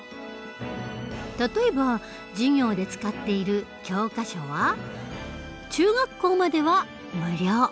例えば授業で使っている教科書は中学校までは無料。